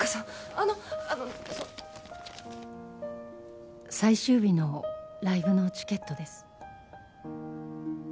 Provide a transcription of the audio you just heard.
あのあの最終日のライブのチケットです